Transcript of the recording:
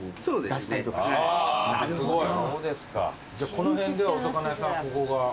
この辺ではお魚屋さんここが？